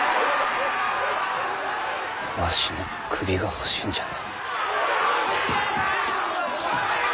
わしの首が欲しいんじゃな。